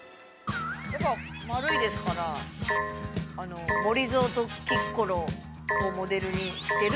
◆やっぱり丸いですから、モリゾウとキッコロをモデルにしてる